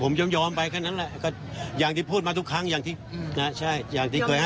ก็ให้ผมยอมไปแค่นั้นแหละอย่างที่พูดมาทุกครั้งอย่างที่เกิดให้สัมภาษณ์ทุกครั้ง